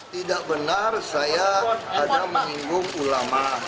tidak benar saya ada menyinggung ulama